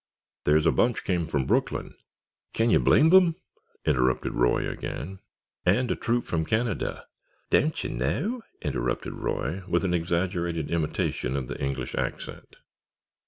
"There's a bunch came from Brooklyn——" "Can you blame them?" interrupted Roy again. "And a troop from Canada——" "Daon'tcher knaow," interrupted Roy, with an exaggerated imitation of the English accent.